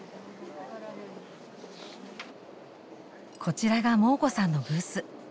こちらがモー子さんのブース。